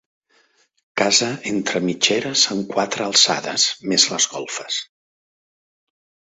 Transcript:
Casa entre mitgeres amb quatre alçades més les golfes.